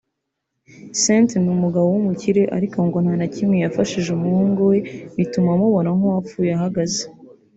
Cent ni umugabo wumukire ariko ngo nta na kimwe yafashije umuhungu we btuma amubona nk'uwapfuye ahagaze